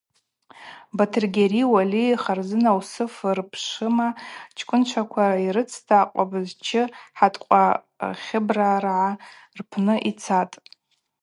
Батыргьари, Уали, Харзына Усыф рбшвыма чкӏвынчваква йрыцта акъвабызчы Хӏаткъва Хьыбраргӏа рпны йцатӏ.